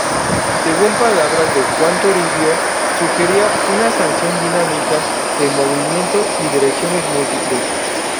Según palabras de Juan Toribio, sugería "una sensación dinámica, de movimiento y direcciones múltiples.